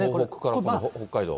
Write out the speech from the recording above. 東北から北海道。